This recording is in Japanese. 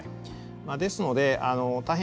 ですので大変